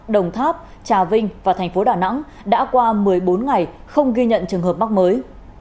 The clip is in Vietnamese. đồng tháp trà vinh và thành phố đà nẵng đã qua một mươi bốn ngày không ghi nhận trường hợp mắc mới